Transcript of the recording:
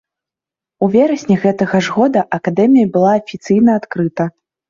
У верасні гэтага ж года акадэмія была афіцыйна адкрыта.